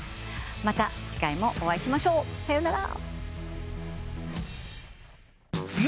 また次回もお会いしましょう。さよなら。